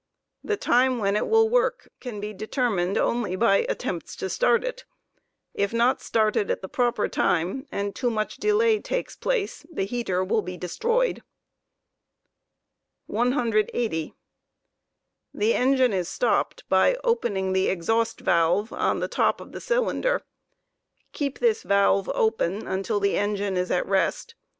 The time when it will work can be determined only by attempts to start it If not started at the proper time, and too much delay takes place, the heater will be destroyed. stopping 180. The engine is stopped by opening the exhaust valve on the top of the cylin der; keep this valve open until the engine is at rest, and open the furnace door before stopping. . wwieatreet.